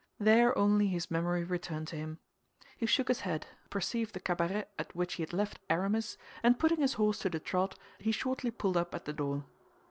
There only his memory returned to him. He shook his head, perceived the cabaret at which he had left Aramis, and putting his horse to the trot, he shortly pulled up at the door.